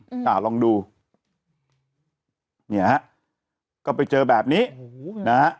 อ่าลองดูเนี่ยฮะก็ไปเจอแบบนี้โอ้โหนะฮะ